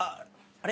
あれ？